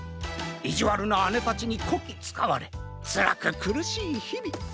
いじわるなあねたちにこきつかわれつらくくるしいひび。